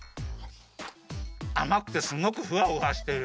あまくてすごくふわふわしてる。